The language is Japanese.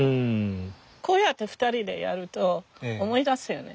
こうやって２人でやると思い出すよね。